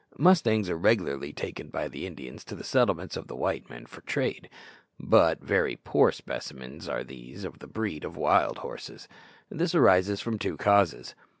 Mustangs are regularly taken by the Indians to the settlements of the white men for trade, but very poor specimens are these of the breed of wild horses. This arises from two causes.